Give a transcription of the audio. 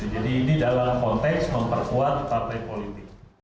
jadi ini dalam konteks memperkuat partai politik